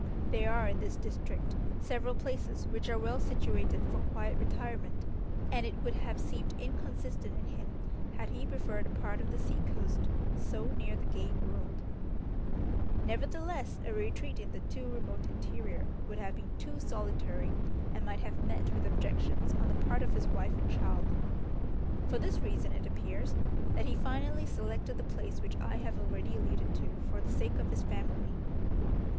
There are in this district several places which are well situated for quiet retirement, and it would have seemed inconsistent in him had he preferred a part of the sea coast so near the gay world; nevertheless, a retreat in the too remote interior would have been too solitary, and might have met with objections on the part of his wife and child. For this reason, it appears, that he finally selected the place which I have already alluded to for the sake of his family.